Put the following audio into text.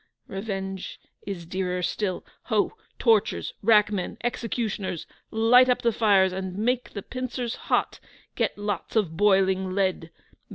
revenge is dearer still. Ho! tortures, rack men, executioners light up the fires and make the pincers hot! get lots of boiling lead!